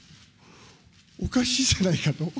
おかしいじゃないかと。